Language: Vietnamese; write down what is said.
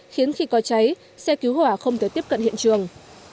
khiến khi có cháy xe cứu hỏa không thể tiếp cận hiện trường